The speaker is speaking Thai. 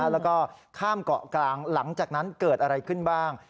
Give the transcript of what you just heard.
แล้วก็ข้ามเกาะกลางหลังจากนั้นเกิดอะไรขึ้นบ้าง